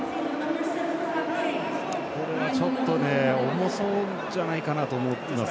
これはちょっと重そうじゃないかなと思っています。